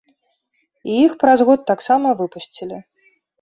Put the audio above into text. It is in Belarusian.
І іх праз год таксама выпусцілі.